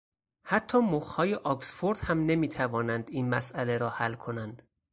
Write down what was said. حتی مخهای آکسفورد هم نمیتوانند این مسئله را حل کنند.